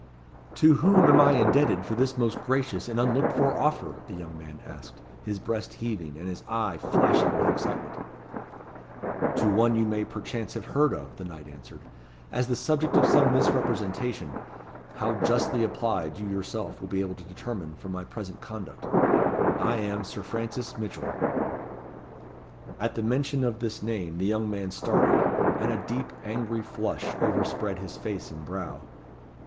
"To whom am I indebted for this most gracious and unlooked for offer?" the young man asked, his breast heaving, and his eye flashing with excitement. "To one you may perchance have heard of," the knight answered, "as the subject of some misrepresentation; how justly applied, you yourself will be able to determine from my present conduct. I am Sir Francis Mitchell." At the mention of this name the young man started, and a deep angry flush overspread his face and brow.